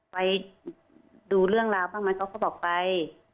ไปดูเรื่องราวบ้างไหมเขาก็บอกไป